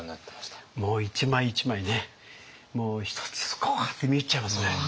いやもう一枚一枚ねもう一つ一つこうやって見入っちゃいますね。